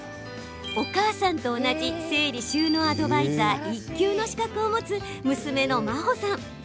お母さんと同じ整理収納アドバイザー１級の資格を持つ、娘の麻帆さん。